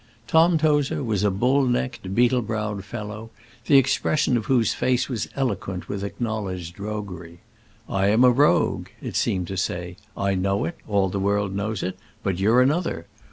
Tom Tozer was a bull necked, beetle browed fellow, the expression of whose face was eloquent with acknowledged roguery. "I am a rogue," it seemed to say. "I know it; all the world knows it: but you're another.